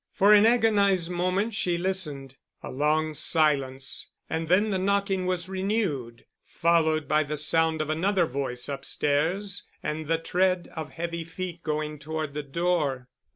For an agonized moment she listened. A long silence and then the knocking was renewed, followed by the sound of another voice upstairs and the tread of heavy feet going toward the door.